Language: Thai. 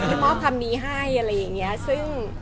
ที่มอบคำนี้ให้